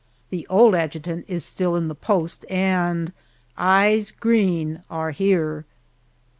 The old adjutant is still in the post, and "eyes green" are here!